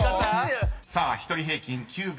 ［さあ１人平均９秒６です。